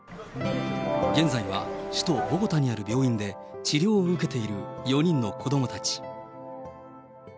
現在は首都ボゴタにある病院で治療を受けている４人の子どもたち。